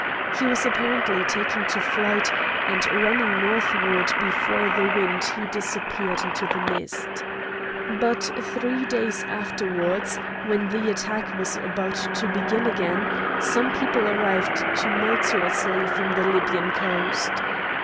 He was apparently taking to flight; and running northward before the wind he disappeared into the mist. But three days afterwards, when the attack was about to begin again, some people arrived tumultuously from the Libyan coast.